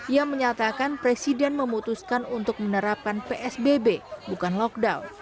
ia menyatakan presiden memutuskan untuk menerapkan psbb bukan lockdown